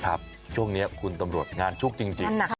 ครับช่วงเนี้ยคุณตำรวจงานชุกจริงจริงนั่นน่ะ